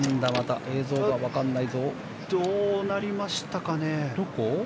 どうなりましたかね。